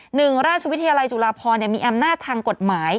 หนึ่งราชวิทยาลัยจุฬาพรมีอำนาจทางกฎหมาย